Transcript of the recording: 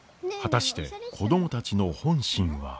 果たして子供たちの本心は。